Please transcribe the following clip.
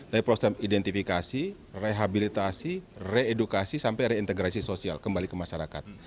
dari proses identifikasi rehabilitasi reedukasi sampai reintegrasi sosial kembali ke masyarakat